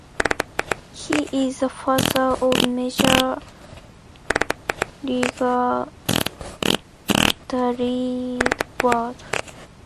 He is the father of major leaguer Daryle Ward.